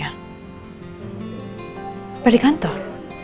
apa di kantor